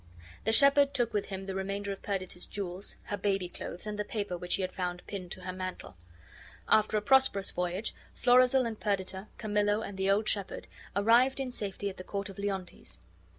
The shepherd took with him the remainder of Perdita's jewels, her baby clothes, and the paper which he had found pinned to her mantle. After a prosperous voyage, Florizel and Perdita, Camillo and the old shepherd, arrived in safety at the court of Leontes.